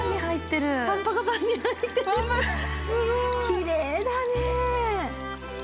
きれいだね！